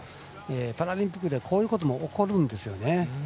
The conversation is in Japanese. パラリンピックでこういうことも起こるんですよね。